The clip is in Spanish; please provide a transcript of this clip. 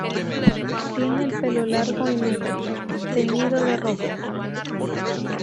Tiene el pelo largo y negro, teñido de rojo.